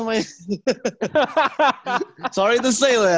maaf untuk nge sale ya